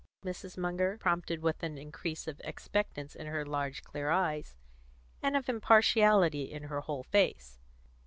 Mrs. Munger prompted, with an increase of expectance in her large clear eyes, and of impartiality in her whole face.